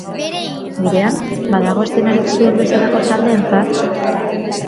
Gurean, badago eszenarik zuena bezalako taldeentzat?